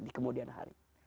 di kemudian hari